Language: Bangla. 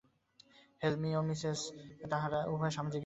হেল, মি ও মিসেস তাঁহারা উভয়েই স্বামীজীকে বিশেষ ভালবাসিতেন।